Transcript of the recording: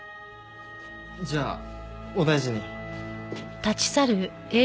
じゃあお大事に。